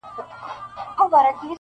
تر ابده پر تا نوم د ښکار حرام دی -